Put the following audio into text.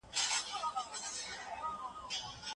څېړنې د نویو نظریاتو د پرمختګ وسایل دي.